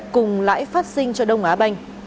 cùng lãi phát sinh cho đông á banh